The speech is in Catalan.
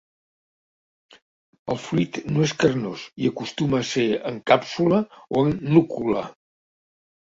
El fruit no és carnós i acostuma a ser en càpsula o en núcula.